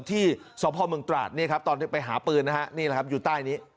ที่สวพอบมิงตราศตร์ตอนนั้นไปหาปืนอยู่ใต้นี้